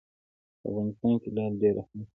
په افغانستان کې لعل ډېر اهمیت لري.